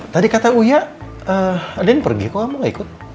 tadi kata uya den pergi kok kamu gak ikut